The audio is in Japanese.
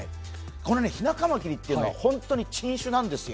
ヒナカマキリっていうのは本当に珍種なんです。